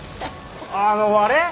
あああれ？